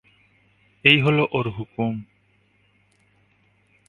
এই হল ওঁর হুকুম।